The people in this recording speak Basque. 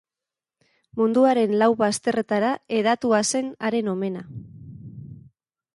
Munduaren lau bazterretara hedatua zen haren omena.